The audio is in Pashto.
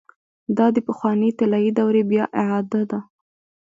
دا د پخوانۍ طلايي دورې بيا اعاده ده.